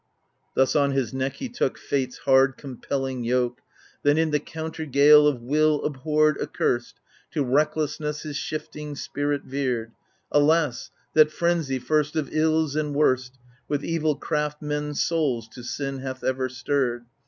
Thus on his neck he took Fate's hard compelling yoke ; Then, in the counter gale of will abhorr'd, accursed, To recklessness his shifting spirit veered — Alas ! that Frenzy, first of ills and worst, With evil craft men's souls to sin hath ever stirred